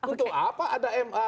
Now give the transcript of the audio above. untuk apa ada ma